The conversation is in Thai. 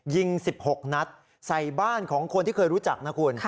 ๑๖นัดใส่บ้านของคนที่เคยรู้จักนะคุณ